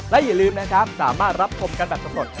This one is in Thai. และอย่าลืมนะครับสามารถรับชมกันแบบสำรวจ